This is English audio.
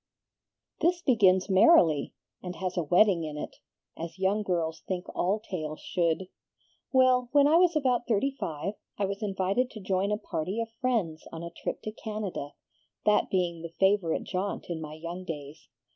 "This begins merrily, and has a wedding in it, as young girls think all tales should. Well, when I was about thirty five, I was invited to join a party of friends on a trip to Canada, that being the favorite jaunt in my young days.